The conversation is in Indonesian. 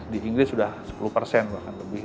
di inggris sudah sepuluh persen bahkan lebih